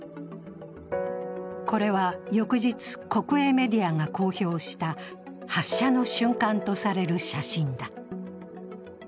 これは翌日、国営メディアが公表した発射の瞬間とされる写真だ。